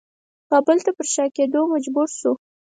کابل ته پر شا کېدلو مجبور شو.